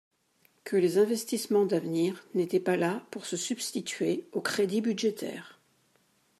que les investissements d’avenir n’étaient pas là pour se substituer aux crédits budgétaires.